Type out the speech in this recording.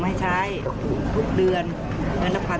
ไม่ใช้ทุกเดือนนั่นละ๑๐๐๐๒๐๐๐บิฤติญาณ